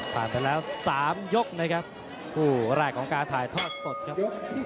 ไปแล้ว๓ยกนะครับคู่แรกของการถ่ายทอดสดครับ